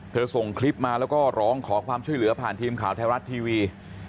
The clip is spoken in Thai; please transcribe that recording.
ส่งคลิปมาแล้วก็ร้องขอความช่วยเหลือผ่านทีมข่าวไทยรัฐทีวี